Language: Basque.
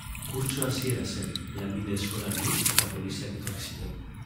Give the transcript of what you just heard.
Kurtso hasiera zen, lanbide eskolan ni, eta poliziak etorri ziren.